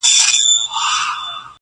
خدای زموږ معبود دی او رسول مو دی رهبر,